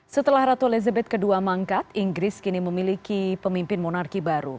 setelah ratu elizabeth ii mangkat inggris kini memiliki pemimpin monarki baru